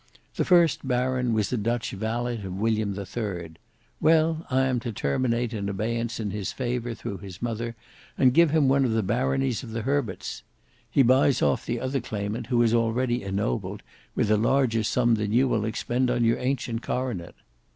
The first baron was a Dutch valet of William the Third. Well I am to terminate an abeyance in his favour through his mother, and give him one of the baronies of the Herberts. He buys off the other claimant who is already ennobled with a larger sum than you will expend on your ancient coronet.